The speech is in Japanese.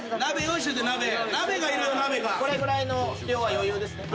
これぐらいの量は余裕ですね？